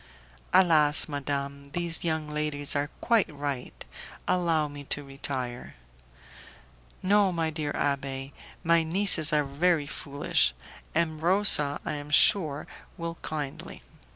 "Alas! madame, these young ladies are quite right. Allow me to retire." "No, my dear abbé, my nieces are very foolish; M. Rosa, I am sure, will kindly."